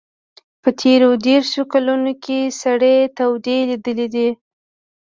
په تېرو دېرشو کلونو کې سړې تودې لیدلي دي.